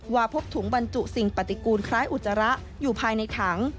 พบถุงบรรจุสิ่งปฏิกูลคล้ายอุจจาระอยู่ภายในถัง